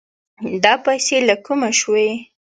دا پيسې له کومه شوې؟